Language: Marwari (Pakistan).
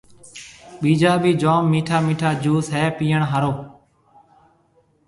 ٻيجا ڀِي جوم مِٺا مِٺا جوُس هيَ پِئيڻ هاورن۔